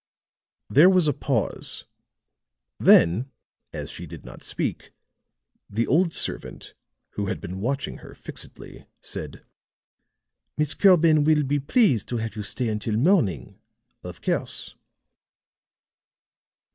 There was a pause; then, as she did not speak, the old servant, who had been watching her fixedly, said: "Miss Corbin will be pleased to have you stay until morning, of course."